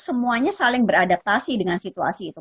semuanya saling beradaptasi dengan situasi itu